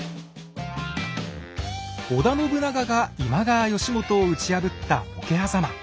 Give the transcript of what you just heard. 織田信長が今川義元を打ち破った